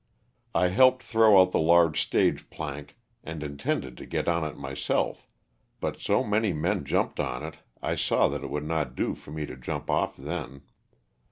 I helped throw out the large stage plank and intended to get on it myself, but so many men jumped on it I saw that it would not do for me to jump off then.